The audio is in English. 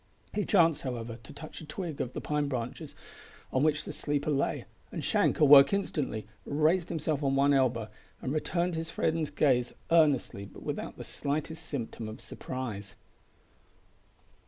He chanced, however, to touch a twig of the pine branches on which the sleeper lay, and Shank awoke instantly, raised himself on one elbow, and returned his friend's gaze earnestly, but without the slightest symptom of surprise.